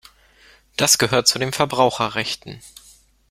Das gehört zu den Verbraucherrechten.